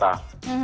dan saya tidak tahu